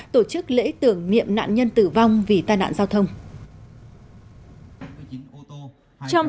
tổ chức lễ tưởng niệm nạn nhân tử vong vì tai nạn giao thông